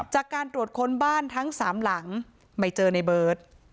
จากการตรวจค้นบ้านทั้ง๓หลังไม่เจอในเบิร์ต